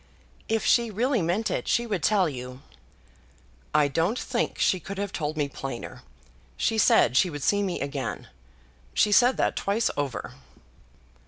"If she really meant it, she would tell you." "I don't think she could have told me plainer. She said she would see me again. She said that twice over."